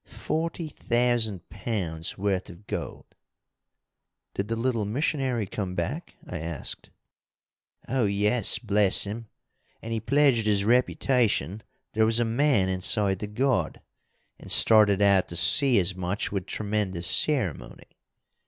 "Forty thousand pounds worth of gold." "Did the little missionary come back?" I asked. "Oh, yes! Bless him! And he pledged his reputation there was a man inside the god, and started out to see as much with tremendous ceremony.